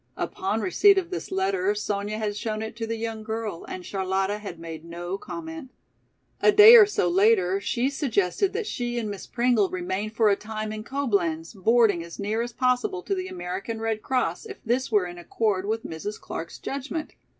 Upon receipt of this letter Sonya had showed it to the young girl and Charlotta had made no comment. A day or so later, she suggested that she and Miss Pringle remain for a time in Coblenz boarding as near as possible to the American Red Cross if this were in accord with Mrs. Clark's judgment.